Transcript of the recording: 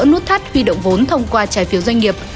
nút thắt huy động vốn thông qua trái phiếu doanh nghiệp